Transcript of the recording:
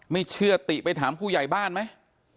ไม่เชื่อติไปถามผู้ใหญ่บ้านไหม